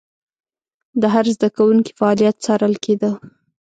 د هر زده کوونکي فعالیت څارل کېده.